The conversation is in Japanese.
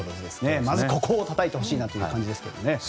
まずここをたたいてほしいなという感じですよね。